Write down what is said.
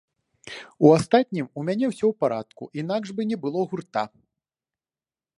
У астатнім, у мяне ўсе ў парадку, інакш бы не было гурта.